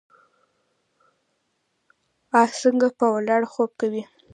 اس څنګه په ولاړه خوب کوي؟